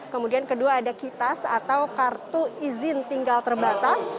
kemudian kedua ada kitas atau kartu izin tinggal terbatas